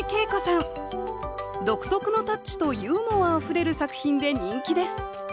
独特のタッチとユーモアあふれる作品で人気です。